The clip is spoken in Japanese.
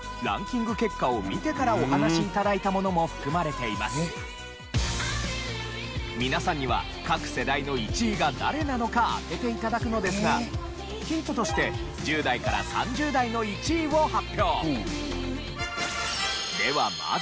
街で頂いた皆さんには各世代の１位が誰なのか当てて頂くのですがヒントとして１０代から３０代の１位を発表。